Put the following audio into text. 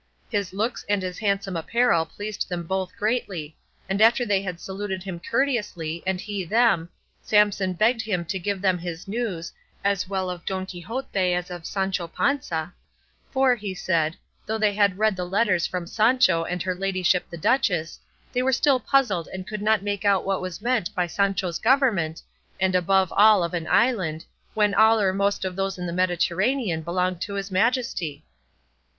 His looks and his handsome apparel pleased them both greatly; and after they had saluted him courteously, and he them, Samson begged him to give them his news, as well of Don Quixote as of Sancho Panza, for, he said, though they had read the letters from Sancho and her ladyship the duchess, they were still puzzled and could not make out what was meant by Sancho's government, and above all of an island, when all or most of those in the Mediterranean belonged to his Majesty.